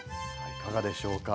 いかがでしょうか。